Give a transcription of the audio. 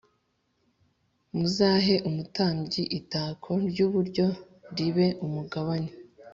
Muzahe umutambyi itako ry iburyo ribe umugabane